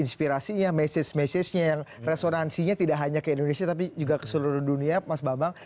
inspirasinya message message nya yang resonansinya tidak hanya ke indonesia tapi juga ke seluruh dunia mas bambang